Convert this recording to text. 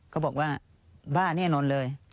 เขาบอกว่าบ้าแน่นอนเลย